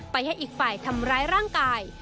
ให้อีกฝ่ายทำร้ายร่างกาย